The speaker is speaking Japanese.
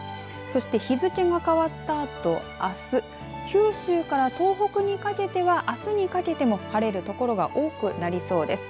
そして日付が変わったあと、あす九州から東北にかけてはあすにかけても晴れる所が多くなりそうです。